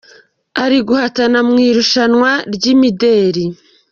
ari guhatana mu irushanwa ry’imideli.